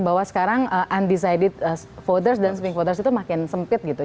bahwa sekarang undecided voters dan swing voters itu makin sempit gitu